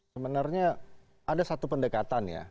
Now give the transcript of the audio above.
sebenarnya ada satu pendekatan ya